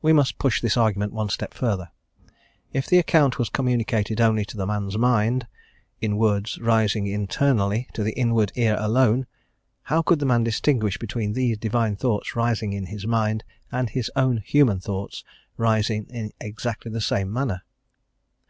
We must push this argument one step further. If the account was communicated only to the man's mind, in words rising internally to the inward ear alone, how could the man distinguish between these divine thoughts rising in his mind, and his own human thoughts rising in exactly the same manner?